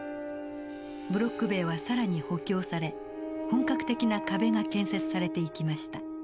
ブロック塀は更に補強され本格的な壁が建設されていきました。